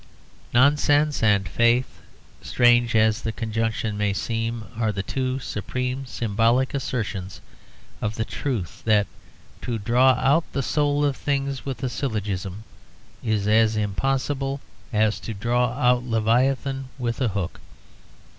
Nonsense and faith (strange as the conjunction may seem) are the two supreme symbolic assertions of the truth that to draw out the soul of things with a syllogism is as impossible as to draw out Leviathan with a hook.